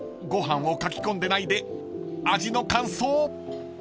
ご飯をかき込んでないで味の感想！］